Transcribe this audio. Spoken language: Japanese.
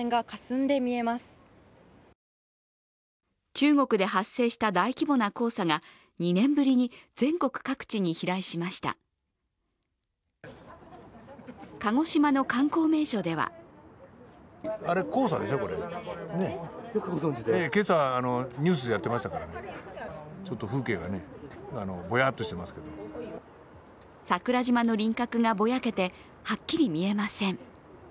中国で発生した大規模な黄砂が２年ぶりに全国各地に飛来しました鹿児島の観光名所では桜島の輪郭がぼやけてはっきり見えません。